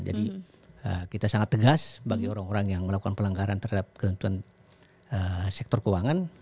jadi kita sangat tegas bagi orang orang yang melakukan pelanggaran terhadap keuntungan sektor keuangan